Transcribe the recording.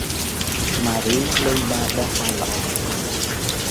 ម៉ារី លេងបាល់បោះបានល្អ ។